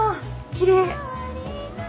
きれい！